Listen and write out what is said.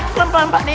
pelan pelan pak d